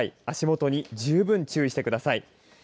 足元に十分注意してください。